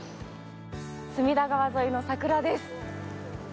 隅田川沿いの桜です。